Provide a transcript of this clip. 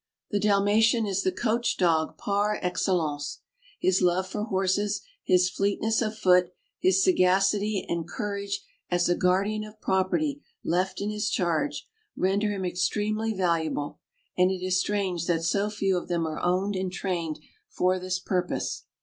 The Dalmatian is the Coach Dog par excellence. His love for horses, his neetness of foot, his sagacity and cour age as a guardian of property left in his charge, render him THE DALMATIAN DOG. 609 extremely valuable, and it is strange that so few of them are owned and trained for this purpose.